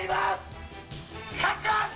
勝ちます！